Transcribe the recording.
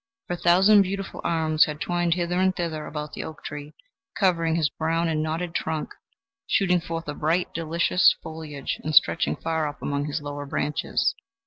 Her thousand beautiful arms had twined hither and thither about the oak tree, covering his brown and knotted trunk, shooting forth a bright, delicious foliage and stretching far up among his lower branches.